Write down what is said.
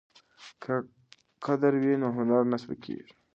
که قدر وي نو هنر نه سپکیږي.